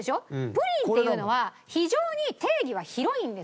プリンっていうのは非常に定義は広いんです。